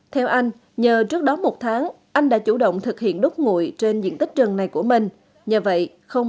theo anh nhờ trước đó một tháng anh đã chủ động thực hiện đốt ngũi trên diện tích rừng này của mình